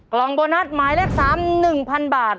กล่องโบนัสหมายเลข๓๑๐๐๐บาท